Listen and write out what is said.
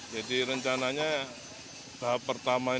jadi rencananya tahap pertama ini dua ribu dua belas